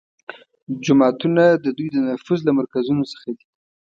جوماتونه د دوی د نفوذ له مرکزونو څخه دي